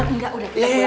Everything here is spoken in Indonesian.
ya udah kita pulang